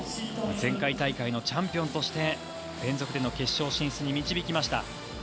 前回大会のチャンピオンとして連続での決勝進出に導きました。